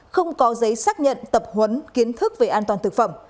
không có giấy xác nhận tập huấn kiến thức về an toàn thực phẩm